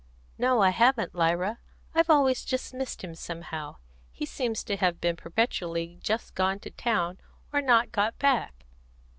"No, I haven't, Lyra. I've always just missed him somehow. He seems to have been perpetually just gone to town, or not got back."